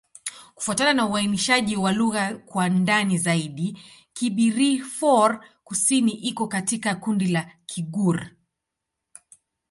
Kufuatana na uainishaji wa lugha kwa ndani zaidi, Kibirifor-Kusini iko katika kundi la Kigur.